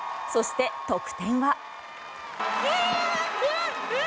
そして、得点は。